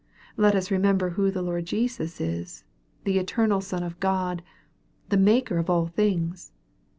Let us remember who the Lord Jesus is, the eter nal Son of God, the maker of all things.